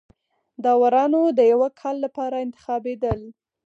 داورانو د یوه کال لپاره انتخابېدل.